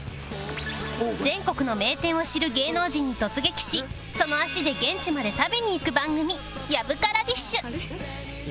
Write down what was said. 全国の名店を知る芸能人に突撃しその足で現地まで食べに行く番組『やぶからディッシュ』